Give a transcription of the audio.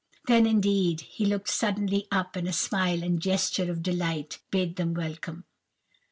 Then, indeed, he looked suddenly up, and with a smile and gesture of delight, bade them welcome.